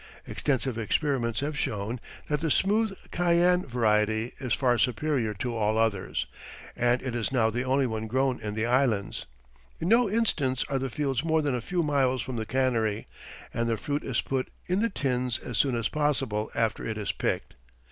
Extensive experiments have shown that the Smooth Cayenne variety is far superior to all others, and it is now the only one grown in the Islands. In no instance are the fields more than a few miles from the cannery, and the fruit is put in the tins as soon as possible after it is picked.